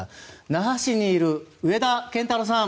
那覇市にいる上田健太郎さん